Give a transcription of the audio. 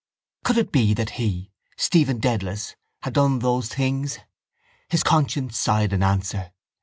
Could it be that he, Stephen Dedalus, had done those things? His conscience sighed in answer.